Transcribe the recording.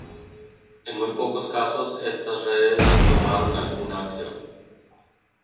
en muy pocos casos estas redes tomaron alguna acción